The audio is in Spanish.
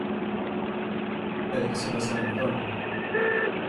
Pedírselo a san antonio.